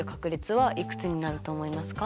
はい。